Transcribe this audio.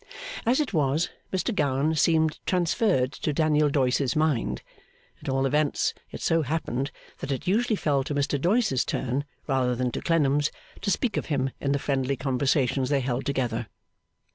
As it was, Mr Gowan seemed transferred to Daniel Doyce's mind; at all events, it so happened that it usually fell to Mr Doyce's turn, rather than to Clennam's, to speak of him in the friendly conversations they held together.